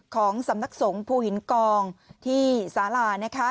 ของสำนักสงฆ์ภูหินกองที่สาลา